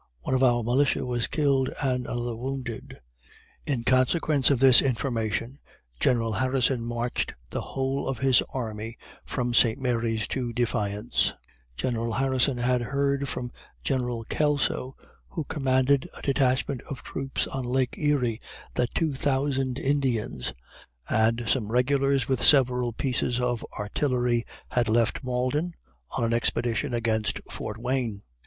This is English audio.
One of our militia was killed and another wounded. In consequence of this information, General Harrison marched the whole of his army from St. Mary's to Defiance. General Harrison had heard from General Kelso, who commanded a detachment of troops on lake Erie, that two thousand Indians and some regulars with several pieces of artillery, had left Malden on an expedition against Fort Wayne!